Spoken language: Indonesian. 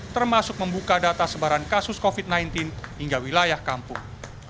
termasuk membuka data sebaran kasus covid sembilan belas hingga wilayah kampung